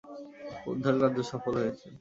উদ্ধারকার্য সফল হয়েছে।